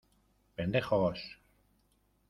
¡ pendejos!